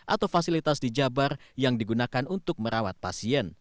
atau fasilitas di jabar yang digunakan untuk merawat pasien